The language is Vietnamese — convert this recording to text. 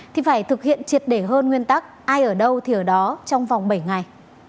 thì phải thực hiện triệt để hơn nguyên tắc ai ở đâu thì ở đó trong vòng bảy ngày